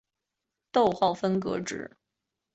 逗号分隔值。